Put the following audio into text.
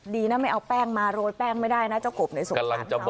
ดีนะไม่เอาแป้งมาโรยแป้งไม่ได้นะเจ้าโกบหน่อยสงสัยเขา